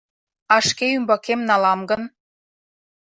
— А шке ӱмбакем налам гын?